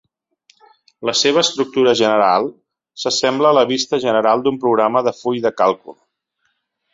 La seua estructura general s'assembla a la vista general d'un programa de Full de càlcul.